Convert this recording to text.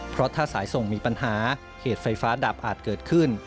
เพราะถ้าสายส่งมีปัญหาเหตุไฟฟ้าดับอาจเกิดขึ้น